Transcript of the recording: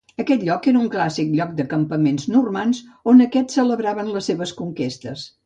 Aquest lloc era un clàssic lloc de campaments normands on aquests celebraven les seves conquestes.